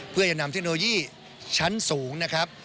เพื่อจะนำเทคโนโลยีชั้นสูงนะครับ